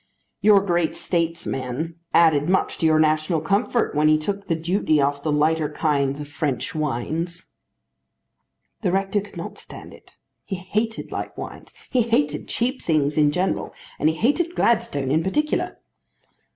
"Your great statesman added much to your national comfort when he took the duty off the lighter kinds of French wines." The rector could not stand it. He hated light wines. He hated cheap things in general. And he hated Gladstone in particular.